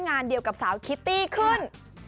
งานเดียวกับสาวคิตตี้ขึ้น